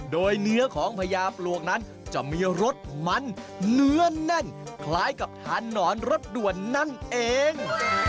โดยเนื้อของพญาปลวกนั้นจะมีรสมันเนื้อแน่นคล้ายกับทานหนอนรสด่วนนั่นเอง